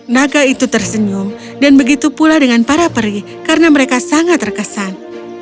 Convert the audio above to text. naga itu tersenyum dan begitu pula dengan para peri karena mereka sangat terkesan